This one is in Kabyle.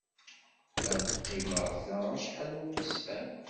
Ad qqimeɣ da acḥal n wussan.